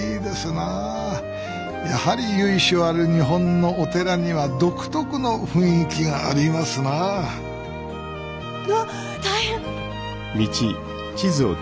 やはり由緒ある日本のお寺には独特の雰囲気がありますなあっ大変！